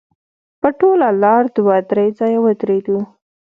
په ټوله لاره دوه درې ځایه ودرېدو.